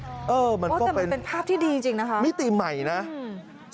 แต่มันเป็นภาพที่ดีจริงนะครับมิติใหม่นะเออมันก็เป็น